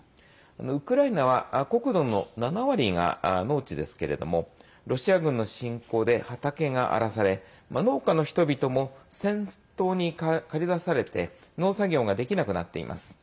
ウクライナは国土の７割が農地ですけれどもロシア軍の侵攻で畑が荒らされ農家の人々も戦闘に駆り出されて農作業ができなくなっています。